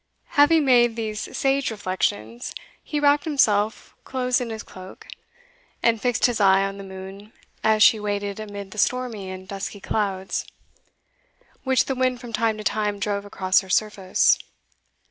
Having made these sage reflections, he wrapped himself close in his cloak, and fixed his eye on the moon as she waded amid the stormy and dusky clouds, which the wind from time to time drove across her surface.